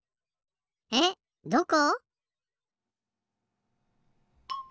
えっどこ？